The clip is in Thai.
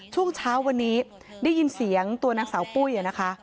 ช่วงเช้าวันนี้ได้ยินเสียงตัวนางสาวปุ้ยนะคะ